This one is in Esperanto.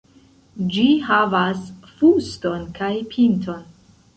Ĝi havas fuston kaj pinton.